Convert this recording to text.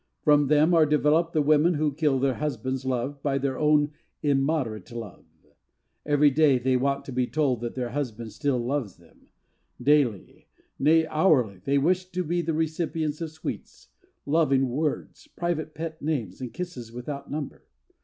From them are developed the women who kill their husband's love by their own immoderate love. Every day they want to be told that their husbands still love them. Daily nay, hourly they wish to be the recipients of sweets, loving words, private pet names and kisses without number.